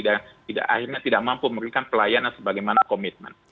dan akhirnya tidak mampu memberikan pelayanan sebagaimana komitmen